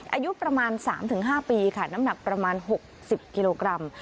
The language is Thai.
อายุประมาณ๓๕ปีค่ะน้ำหนักประมาณ๖๐กิโลกรัม